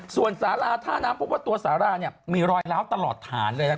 ส่วนสาราท่าน้ำเพราะว่าตัวสาราเนี่ยมีรอยร้าวตลอดฐานเลยนะครับ